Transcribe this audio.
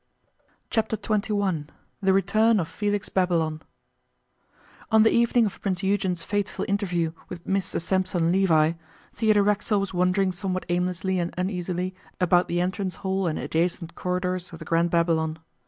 Chapter Twenty One THE RETURN OF FÉLIX BABYLON ON the evening of Prince Eugen's fateful interview with Mr Sampson Levi, Theodore Racksole was wandering somewhat aimlessly and uneasily about the entrance hall and adjacent corridors of the Grand Babylon.